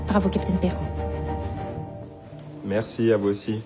見て。